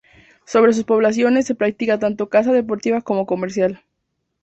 Sobre sus poblaciones se práctica tanto caza deportiva como comercial.